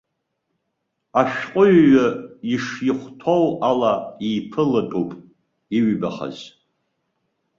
Ашәҟәыҩҩы ишихәҭоу ала иԥылатәуп, иҩбахаз.